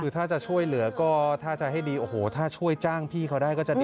คือถ้าจะช่วยเหลือก็ถ้าจะให้ดีโอ้โหถ้าช่วยจ้างพี่เขาได้ก็จะดี